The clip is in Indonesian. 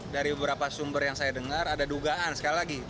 dari beberapa sumber yang saya dengar saya hargai hak beliau untuk melaporkan saya